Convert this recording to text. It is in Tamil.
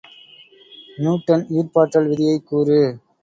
நியூட்டன் ஈர்ப்பாற்றல் விதியைக் கூறு.